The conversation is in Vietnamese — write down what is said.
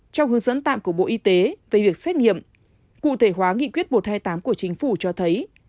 trong hướng dẫn tạm của bộ y tế về việc xét nghiệm cụ thể hóa nghị quyết một trăm hai mươi tám của chính phủ cho thấy